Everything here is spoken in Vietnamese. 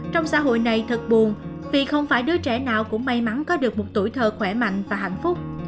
trong xã hội này thật buồn vì không phải đứa trẻ nào cũng may mắn có được một tuổi thơ khỏe mạnh và hạnh phúc